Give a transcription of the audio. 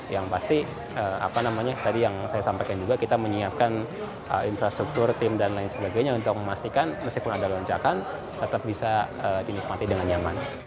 yang pasti apa namanya tadi yang saya sampaikan juga kita menyiapkan infrastruktur tim dan lain sebagainya untuk memastikan meskipun ada lonjakan tetap bisa dinikmati dengan nyaman